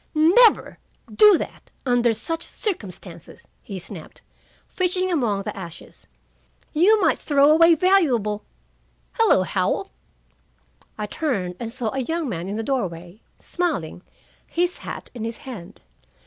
"Never do that, under such circumstances," he snapped, fishing among the ashes. "You might throw away valuable Hello, Howell!" I turned and saw a young man in the doorway, smiling, his hat in his hand.